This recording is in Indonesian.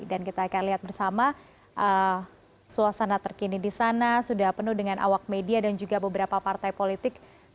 dan kita akan lihat bersama suasana terkini di sana sudah penuh dengan awak media dan juga beberapa partai politik